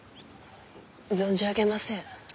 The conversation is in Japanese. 存じ上げません。